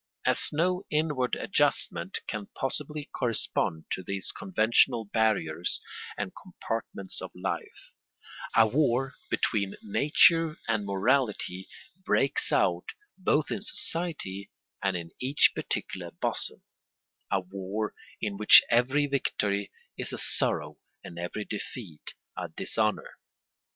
As no inward adjustment can possibly correspond to these conventional barriers and compartments of life, a war between nature and morality breaks out both in society and in each particular bosom—a war in which every victory is a sorrow and every defeat a dishonour.